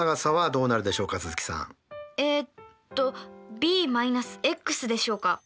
えっとｂ−ｘでしょうか？